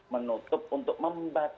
menutup untuk membahas